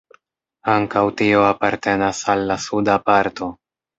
Ankaŭ tio apartenas al la suda parto.